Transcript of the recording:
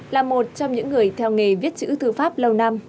là một trong những người theo nghề viết chữ thư pháp lâu năm